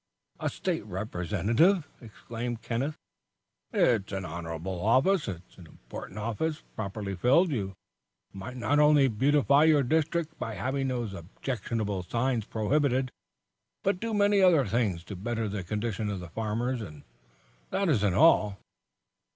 "A State Representative?" "It's an honorable office. It's an important office, properly filled. You might not only beautify your district by having those objectionable signs prohibited, but do many other things to better the condition of the farmers. And that isn't all."